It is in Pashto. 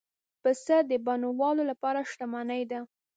پسه د بڼوال لپاره شتمني ده.